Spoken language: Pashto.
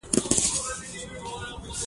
بوریس توره راواخیستله.